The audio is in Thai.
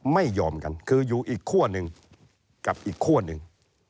ไม่ยอมกันคืออยู่อีกคั่วหนึ่งกับอีกขั้วหนึ่ง